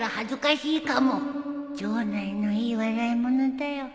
町内のいい笑いものだよ